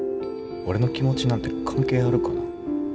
俺の気持ちなんて関係あるかな？